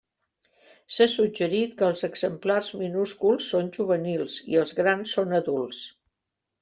S'ha suggerit que els exemplars minúsculs són juvenils i els grans són adults.